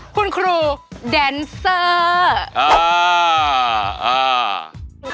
คุณครูแดนเซอร์